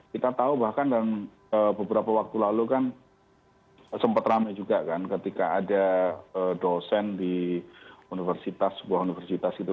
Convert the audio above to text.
kita tahu bahkan dalam beberapa waktu lalu kan sempat rame juga kan ketika ada dosen di universitas sebuah universitas gitu